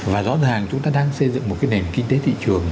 và rõ ràng chúng ta đang xây dựng một cái nền kinh tế thị trường